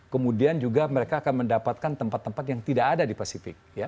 kemudian juga mereka akan mendapatkan tempat tempat yang tidak ada di pasifik